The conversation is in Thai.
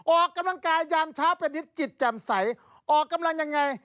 ออกกำลังกายยามเช้าเป็นนิดจิตแจ่มใสออกกำลังยังไง